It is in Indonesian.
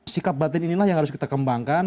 sikap batin inilah yang harus kita kembangkan